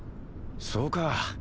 そうか。